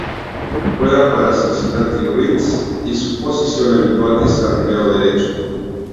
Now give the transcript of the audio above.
Juega para Cincinnati Reds y su posición habitual es jardinero derecho.